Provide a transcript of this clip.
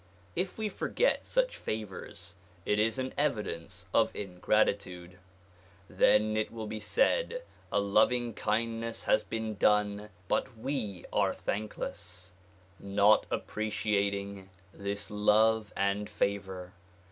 If we forget such favors it is an evidence of ingratitude. Then it will be said a loving kindness has been done but we are thankless, not appreciating this love and favor.